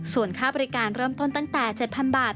ส่วนค่าบริการเริ่มต้นตั้งแต่๗๐๐บาท